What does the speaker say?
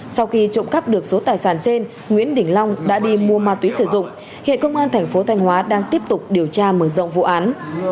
sau khi trộm cắp được số tài sản trên nguyễn đình long đã đi mua ma túy sử dụng hiện công an thành phố thanh hóa đang tiếp tục điều tra mở rộng vụ án